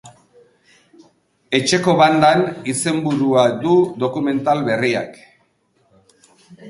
Etxeko bandan izenburua du dokumental berriak.